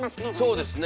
そうですね。